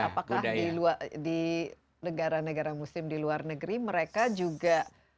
apakah di negara negara muslim di luar negeri mereka juga